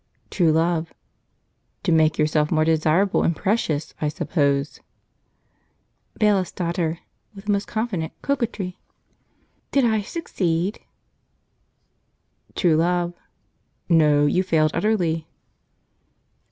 True Love. "To make yourself more desirable and precious, I suppose." Bailiff's Daughter (with the most confident coquetry). "Did I succeed?" True Love. "No; you failed utterly."